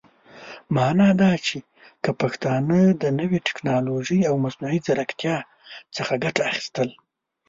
معنا دا چې که پښتانهٔ د نوې ټيکنالوژۍ او مصنوعي ځيرکتيا څخه ګټه اخيستل